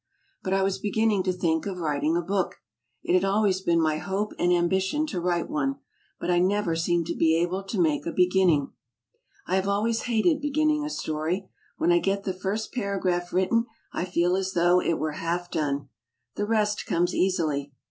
But I was beginning to think of writing a book. It had always been my hope and ambition to write one. But I never seemed able to make a beginning. I have always hated beginning a story. When I get the first paragraph written I feet as though it were half done. The rest comes easily.